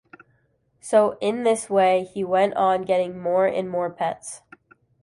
So in this way he went on getting more and more pets.